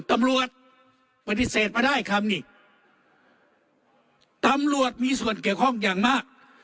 ตำรวจปฏิเสธมาได้คำอีกตำรวจมีส่วนเกี่ยวข้องอย่างมาก